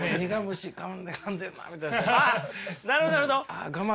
なるほどなるほど。